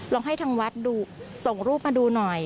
ลองให้ทางวัดดูส่งรูปมาดูหน่อย